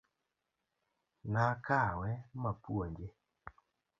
Nakawe mapuonje .